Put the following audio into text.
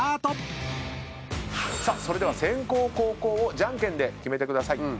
それでは先攻後攻をジャンケンで決めてください。